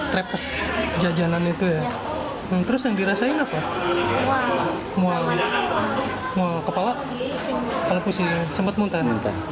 trepes jajanan itu ya terus yang dirasain apa mual mual kepala kalau pusing sempat muntah muntah